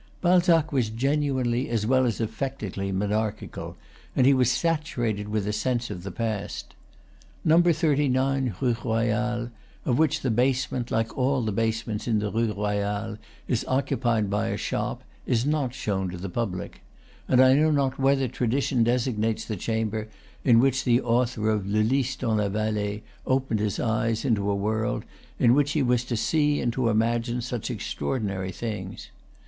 Balzac was genuinely as well as affectedly monarchical, and he was saturated with, a sense of the past. Number 39 Rue Royale of which the base ment, like all the basements in the Rue Royale, is occupied by a shop is not shown to the public; and I know not whether tradition designates the chamber in which the author of "Le Lys dans la Vallee" opened his eyes into a world in which he was to see and to imagine such extraordinary things.